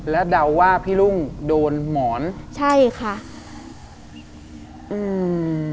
แล้วเดาว่าพี่รุ่งโดนหมอนใช่ค่ะอืม